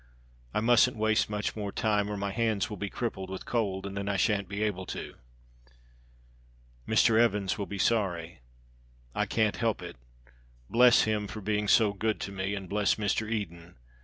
I mustn't waste much more time or my hands will be crippled with cold and then I shan't be able to. "Mr. Evans will be sorry. I can't help it. Bless him for being so good to me; and bless Mr. Eden.